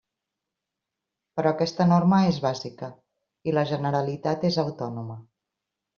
Però aquesta norma és bàsica i la Generalitat és autònoma.